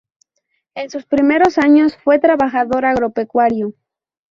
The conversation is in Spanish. En sus primeros años fue trabajador agropecuario.